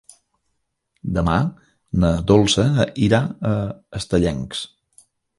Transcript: Demà na Dolça irà a Estellencs.